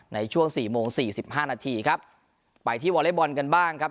ในช่วงสี่โมงสี่สิบห้านาทีครับไปที่วอเล็กบอลกันบ้างครับ